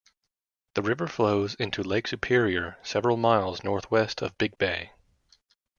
The river flows into Lake Superior several miles northwest of Big Bay.